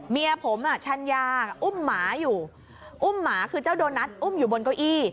เมียผมอ่ะชัญญาอุ้มหมาอยู่อุ้มหมาคือเจ้าโดนัทอุ้มอยู่บนเก้าอี้